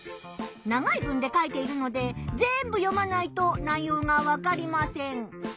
長い文で書いているので全部読まないと内ようがわかりません。